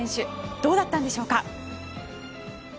どうだったのでしょうか。